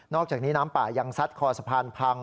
อกจากนี้น้ำป่ายังซัดคอสะพานพัง